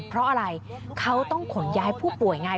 เพราะอะไรเขาต้องขนย้ายผู้ป่วยไง